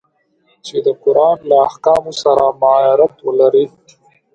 چي د قرآن له احکامو سره مغایرت ولري.